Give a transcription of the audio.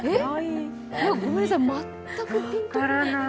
ごめんなさい、全くピンとこない。